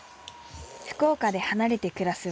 福岡で離れて暮らす